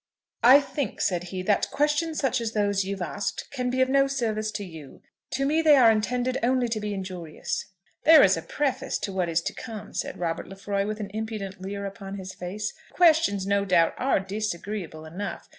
"I think," said he, "that questions such as those you've asked can be of no service to you. To me they are intended only to be injurious." "They're as a preface to what is to come," said Robert Lefroy, with an impudent leer upon his face. "The questions, no doubt, are disagreeable enough.